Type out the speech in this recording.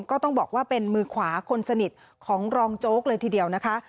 ก็ต้องบอกว่าเป็นมือขวาคนสนิทของรองโจ๊กเลยทีเดียวนะคะ